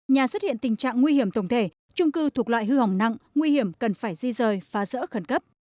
nhà xuất hiện tình trạng nguy hiểm tổng thể trung cư thuộc loại hư hỏng nặng nguy hiểm cần phải di rời phá rỡ khẩn cấp